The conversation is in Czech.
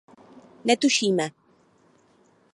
Netušíme.